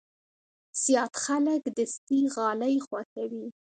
زیات خلک دستي غالۍ خوښوي.